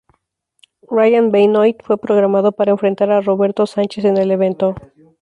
Ryan Benoit fue programado para enfrentar a Roberto Sánchez en el evento.